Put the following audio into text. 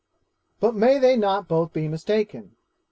'But may they not both be mistaken?